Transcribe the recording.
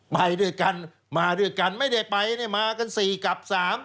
ไปด้วยกันมาด้วยกันไม่ได้ไปเนี่ยมากัน๔กับ๓